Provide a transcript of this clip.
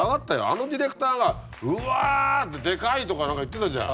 あのディレクターが「うわデカい！」とか何か言ってたじゃん。